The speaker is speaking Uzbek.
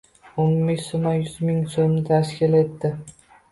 Umumiy summa yuz ming soʻmni tashkil etdi.